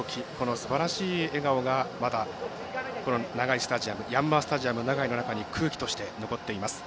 すばらしい笑顔がヤンマースタジアム長居の中に空気として残っています。